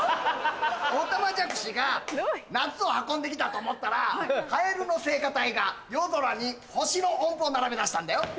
おたまじゃくしが夏を運んできたと思ったらカエルの聖歌隊が夜空に星の音符を並べ出したんだよ。